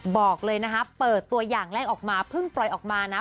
บอกเลยนะคะเปิดตัวอย่างแรกออกมาเพิ่งปล่อยออกมานะ